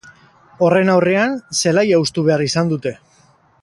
Horren aurrean zelaia hustu behar izan dute.